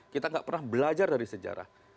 kita gak pernah belajar dari sejarah